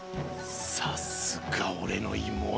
さすがおれの妹。